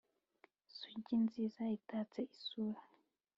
sugi nziza itatse isura